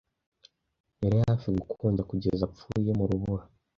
Yari hafi gukonja kugeza apfuye mu rubura.